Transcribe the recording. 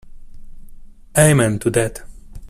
Amen to that.